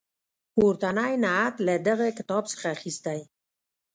پورتنی نعت له دغه کتاب څخه اخیستی.